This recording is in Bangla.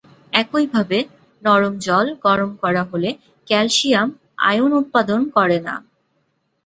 একইভাবে, নরম জল গরম করা হলে ক্যালসিয়াম আয়ন উৎপাদন করে না।